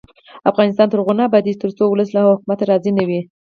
افغانستان تر هغو نه ابادیږي، ترڅو ولس له حکومته راضي نه وي.